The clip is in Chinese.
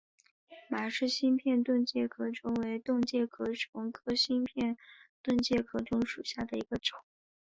马氏新片盾介壳虫为盾介壳虫科新片盾介壳虫属下的一个种。